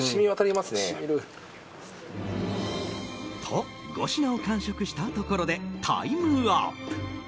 と、５品を完食したところでタイムアップ。